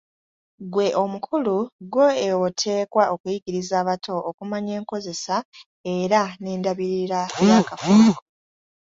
Ggwe omukulu ggwe oteekwa okuyigiriza abato okumanya enkozesa era n'endabirira y'akafo ako.